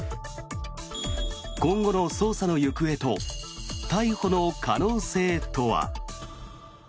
今後の捜査の行方と逮捕の可能性とは。